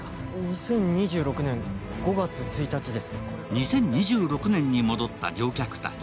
２０２６年に戻った乗客たち。